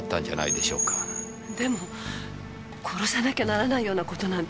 でも殺さなきゃならないようなことなんて。